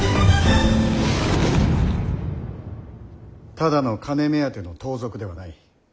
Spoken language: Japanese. ただの金目当ての盗賊ではない。